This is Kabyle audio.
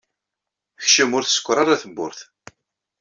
Kcem. Ur tsekkeṛ ara tewwurt.